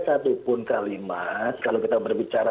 satupun kalimat kalau kita berbicara